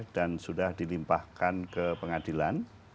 dan sudah dilimpahkan ke pengadilan